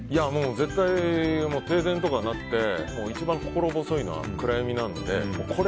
絶対、停電とかなって一番心細いのは暗闇なので。